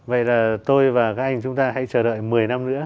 vậy là tôi và các anh chúng ta hãy chờ đợi một mươi năm nữa